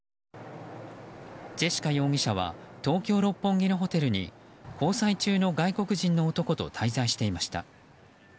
ジェシカ容疑者は東京・六本木のホテルに交際中の外国人の男と滞在していました。